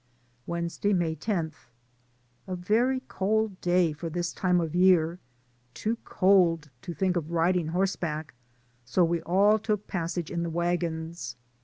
Wednesday, May 10. A very cold day for this time of year, too cold to think of riding horseback, so we all took passage in the wagons.